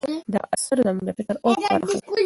دا اثر زموږ د فکر افق پراخوي.